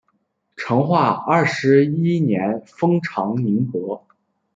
成化二十一年封长宁伯。